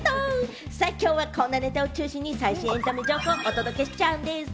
ではきょうもこのネタを中心に最新エンタメ情報をお届けしちゃうんです。